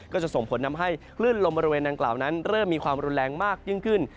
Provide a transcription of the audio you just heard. ก็จะส่งผลทำให้คลื่นลมบริเวณดังกล่าวนั้นเริ่มมีความรุนแรงมากยิ่งขึ้น